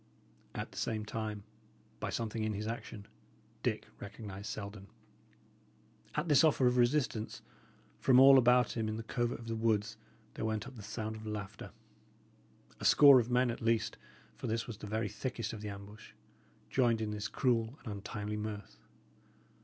At the same time, by something in his action, Dick recognised Selden. At this offer of resistance, from all about him in the covert of the woods there went up the sound of laughter. A score of men, at least, for this was the very thickest of the ambush, joined in this cruel and untimely mirth.